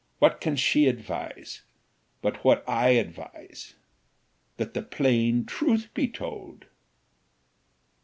what can she advise, but what I advise, that the plain truth should be told?"